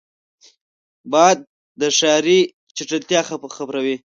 باد د ښاري چټلتیا خپروي